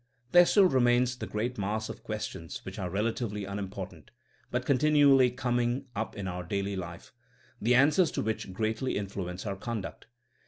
There still remains the great mass of ques tions which are relatively unimportant, but con tinually coming up in our daily life, the an swers to which greatly influence our conduct.